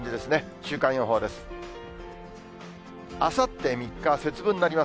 週間予報です。